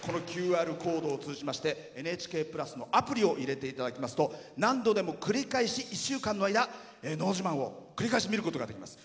ＱＲコードを通じまして「ＮＨＫプラス」のアプリを入れていただきますと何度でも繰り返し１週間の間「のど自慢」を繰り返し見ることができます。